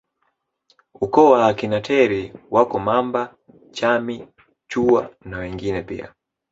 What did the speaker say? Ukoo wa akina Teri wako Mamba Chami Chuwa na wengine pia